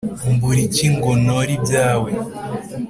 mbura iki ngo ntore ibyawe?